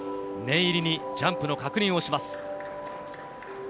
念入りにジャンプの確認をします。